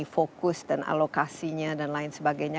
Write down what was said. fokus dan alokasinya dan lain sebagainya